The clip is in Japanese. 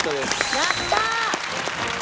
やった！